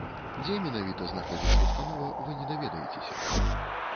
Дзе менавіта знаходзіцца установа, вы не даведаецеся.